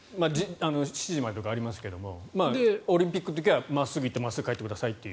７時までとかありますけどオリンピックの時は真っすぐ行って真っすぐ帰ってくださいと。